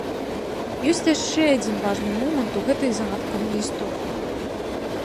Ёсць яшчэ адзін важны момант у гэтай загадкавай гісторыі.